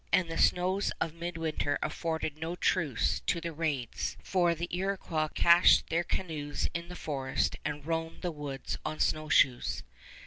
And the snows of midwinter afforded no truce to the raids, for the Iroquois cached their canoes in the forest, and roamed the woods on snowshoes.